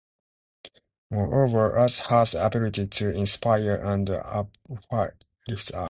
Moreover, art has the ability to inspire and uplift us.